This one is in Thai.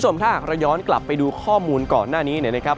ราย้อนกลับไปดูข้อมูลก่อนหน้านี้นะครับ